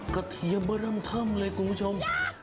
กระเทียมว่าร่ำเท่มเลยคุณผู้ชม